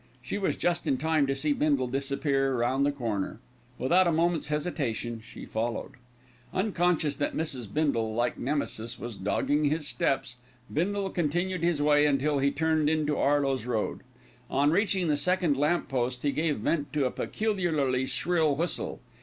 She was just in time to see Bindle disappear round the corner. Without a moment's hesitation she followed. Unconscious that Mrs. Bindle, like Nemesis, was dogging his steps, Bindle continued his way until finally he turned into Arloes Road. On reaching the second lamp post he gave vent to a peculiarly shrill whistle.